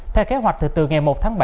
theo kế hoạch từ từ ngày một tháng bảy